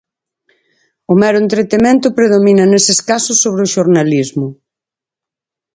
O mero entretemento predomina neses casos sobre o xornalismo.